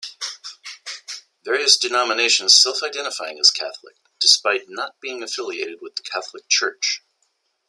Various denominations self-identifying as Catholic, despite not being affiliated with the Catholic Church.